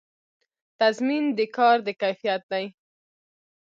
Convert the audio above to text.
تضمین د کار د کیفیت دی